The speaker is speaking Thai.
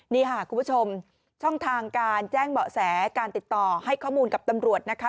นี่ค่ะคุณผู้ชมช่องทางการแจ้งเบาะแสการติดต่อให้ข้อมูลกับตำรวจนะคะ